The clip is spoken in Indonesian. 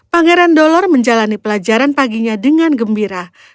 pangeran dolor menjalani pelajaran paginya dengan gembira